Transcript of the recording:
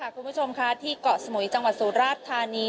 คุณผู้ชมค่ะที่เกาะสมุยจังหวัดสุราชธานี